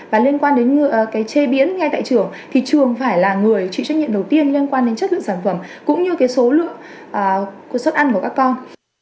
và liên quan đến cái chế biến ngay tại trường thì trường phải là người chịu trách nhiệm đầu tiên liên quan đến chất lượng sản phẩm cũng như cái số lượng suất ăn của các con